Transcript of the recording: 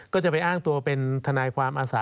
ก็จะไปอ้างตัวเป็นทนายความอาสา